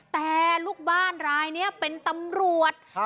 แต่ลูกบ้านรายนี้เป็นตำรวจ